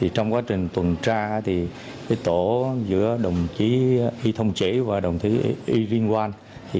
trong quá trình tuần tra tổ giữa đồng chí y thông chỉ và đồng chí y linh quang